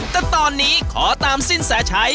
แต่ตอนนี้ขอตามสิ้นแสชัย